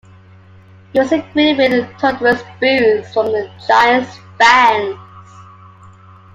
He was greeted with "thunderous boos" from the Giants fans.